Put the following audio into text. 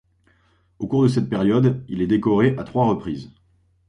Au cours de cette période, il est décoré à trois reprises.